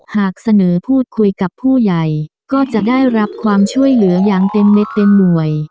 หากเสนอพูดคุยกับผู้ใหญ่ก็จะได้รับความช่วยเหลืออย่างเต็มเม็ดเต็มหน่วย